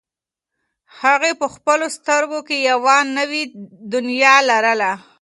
هغې په خپلو سترګو کې یوه نوې دنیا لرله.